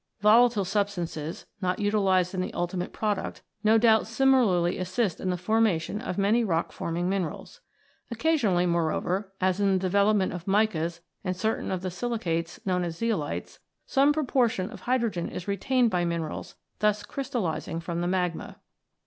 Volatile substances, not utilised in the ultimate product, no doubt similarly assist the formation of many rock forming minerals. Occasionally, moreover, as in the development of the micas and certain of the silicates known as zeolites, some proportion of hydro gen is retained by minerals thus crystallising from the magma.